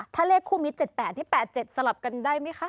ถ้าเลขคู่มิตร๗๘นี่๘๗สลับกันได้ไหมคะ